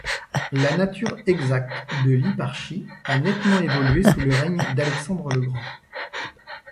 La nature exacte de l’hipparchie a nettement évolué sous le règne d'Alexandre le Grand.